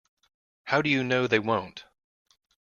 How do you know they won't?